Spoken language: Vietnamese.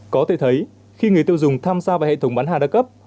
có thể thấy khi người tiêu dùng tham gia vào hệ thống bán hàng đa cấp